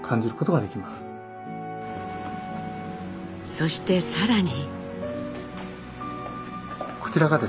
そして更に。